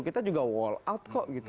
kita juga wall out kok gitu